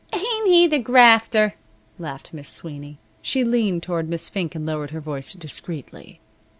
"Ain't he the grafter!" laughed Miss Sweeney. She leaned toward Miss Fink and lowered her voice discreetly.